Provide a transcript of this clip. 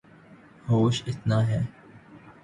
ہوش اتنا ہے